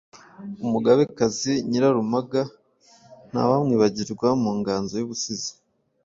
Umugabekazi Nyirarumaga ntawamwibagirwa mu nganzo y’ubusizi